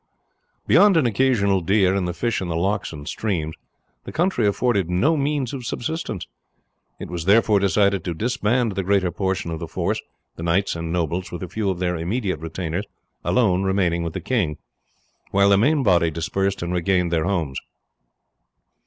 Beyond an occasional deer, and the fish in the lochs and streams, the country afforded no means of subsistence, it was therefore decided to disband the greater portion of the force, the knights and nobles, with a few of their immediate retainers, alone remaining with the king, while the main body dispersed and regained their homes.